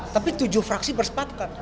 tapi tujuh fraksi bersepakat